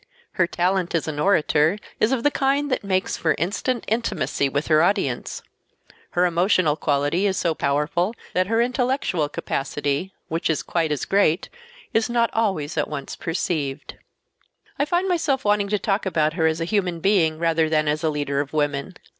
Her talent as an orator is of the kind that makes for instant intimacy with her audience. Her emotional quality is so powerful that her intellectual capacity, which is quite as great, is not always at once perceived. I find myself wanting to talk about her as a human being rather than as a leader of women.